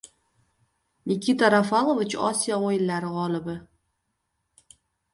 Nikita Rafalovich Osiyo o‘yinlari g‘olibi!